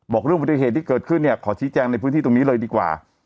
บอกเรื่องปฏิเหตุที่เกิดขึ้นเนี่ยขอชี้แจงในพื้นที่ตรงนี้เลยดีกว่า